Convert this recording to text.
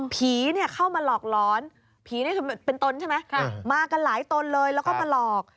เข้ามาหลอกหลอนผีนี่เป็นตนใช่ไหมมากันหลายตนเลยแล้วก็มาหลอก